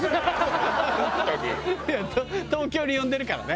いや東京に呼んでるからね。